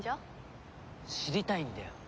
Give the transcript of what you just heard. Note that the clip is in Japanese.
知りたいんだよ